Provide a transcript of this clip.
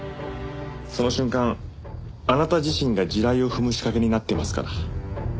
その瞬間あなた自身が地雷を踏む仕掛けになっていますから。